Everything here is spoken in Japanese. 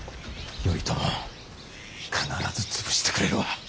頼朝必ず潰してくれるわ。